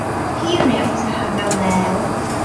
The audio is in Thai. ที่อยู่ในอุตสาหกรรมแล้ว